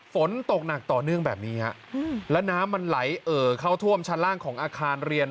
ฝนตกหนักต่อเนื่องแบบนี้ฮะแล้วน้ำมันไหลเอ่อเข้าท่วมชั้นล่างของอาคารเรียน